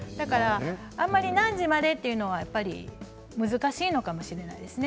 あんまり何時までというのは難しいのかもしれないですね。